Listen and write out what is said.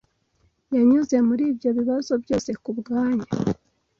So] Yanyuze muri ibyo bibazo byose kubwanyu.